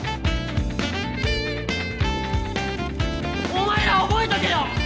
お前ら覚えとけよ！